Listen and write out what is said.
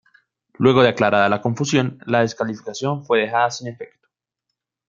Luego de aclarada la confusión, la descalificación fue dejada sin efecto.